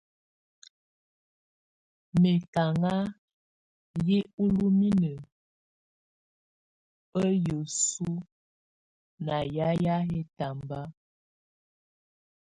Mɛkaŋa yɛ̀ ululininǝ á yǝsu ná yayɛ̀á ɛtamba.